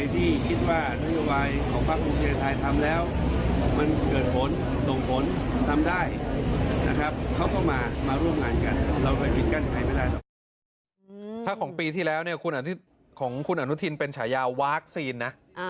ถ้าของปีที่แล้วคุณอนุทินเป็นฉายาวัคซีนนะ